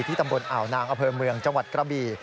ตำบลอ่าวนางอำเภอเมืองจังหวัดกระบี่